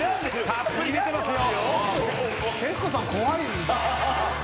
たっぷり出てますよ！